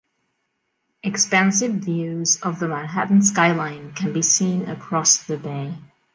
Expansive views of the Manhattan skyline can be seen across the bay.